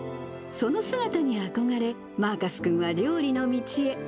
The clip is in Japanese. その姿に憧れ、マーカス君は料理の道へ。